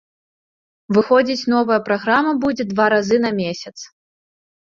Выходзіць новая праграма будзе два разы на месяц.